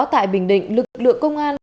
tại bình định lực lượng công an